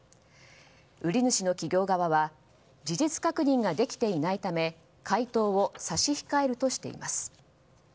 売り主の企業側は事実確認ができていないため回答を差し控えるとしています。